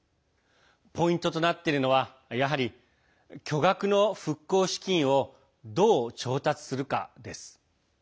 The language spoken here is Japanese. ポイントとなっているのはやはり巨額の復興資金をどう調達するかです。